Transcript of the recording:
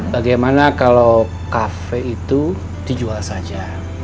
bagaimana kalau kafe itu dijual saja